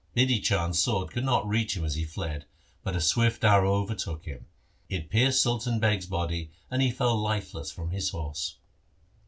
Bidhi Chand's sword could not reach him as he fled, but a swift arrow overtook him. It pierced Sultan Beg's body, and he fell lifeless from his horse.